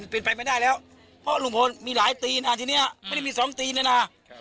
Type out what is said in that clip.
เป็นไปไม่ได้แล้วเพราะลุงพลมีหลายตีนทีนี้ไม่ได้มีสองตีนเลยนะ